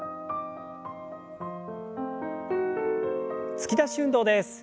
突き出し運動です。